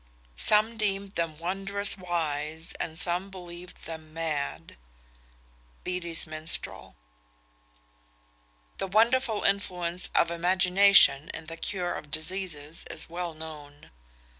Some deemed them wondrous wise, and some believed them mad. Beattie's Minstrel. [Illustration: T] The wonderful influence of imagination in the cure of diseases is well known.